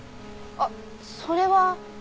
あっそれは。